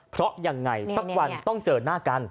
เพราะยังไงสักวันต้องเจอหน้ากัน